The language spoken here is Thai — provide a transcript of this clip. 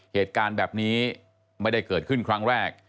เหตุการณ์แบบนี้ไม่ได้เกิดขึ้นครั้งแรก